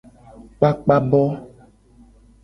Kpakpa bo.